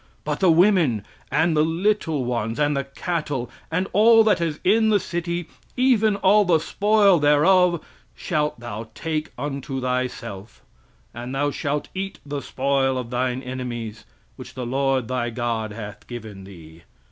"But the women, and the little ones, and the cattle, and all that is in the city, even all the spoil thereof, shaft thou take unto thyself; and thou shalt eat the spoil of thine enemies, which the Lord thy God hath given thee.